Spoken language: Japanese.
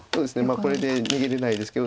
これで逃げれないですけど。